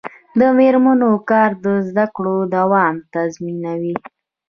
د میرمنو کار د زدکړو دوام تضمینوي.